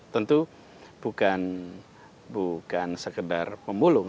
tentu bukan sekedar pemulung